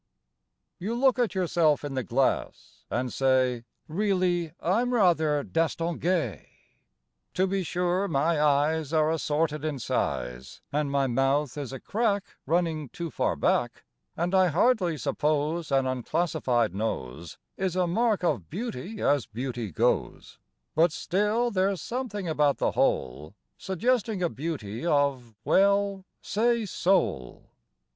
You look at yourself in the glass and say: "Really, I'm rather distingué. To be sure my eyes Are assorted in size, And my mouth is a crack Running too far back, And I hardly suppose An unclassified nose Is a mark of beauty, as beauty goes; But still there's something about the whole Suggesting a beauty of well, say soul."